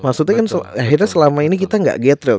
maksudnya kan akhirnya selama ini kita gak get real